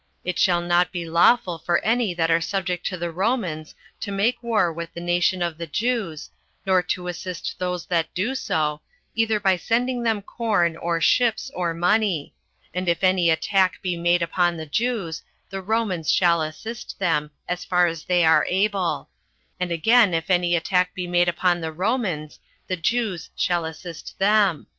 It shall not be lawful for any that are subject to the Romans to make war with the nation of the Jews, nor to assist those that do so, either by sending them corn, or ships, or money; and if any attack be made upon the Jews, the Romans shall assist them, as far as they are able; and again, if any attack be made upon the Romans, the Jews shall assist them.